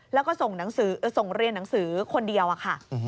แล้วก็ส่งเรียนหนังสือคนเดียวอะค่ะ